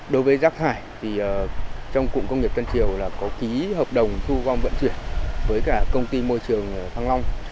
đối với rác thải thì trong cụm công nghiệp tân triều là có ký hợp đồng thu gom vận chuyển với cả công ty môi trường thăng long